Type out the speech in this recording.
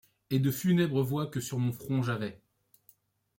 Et de funèbres voix que sur mon front j’avais